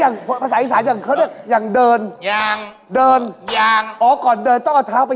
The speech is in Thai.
แล้วคนอีสานหลังเที่ยงกันแห้งแรงกันดาลมิ้น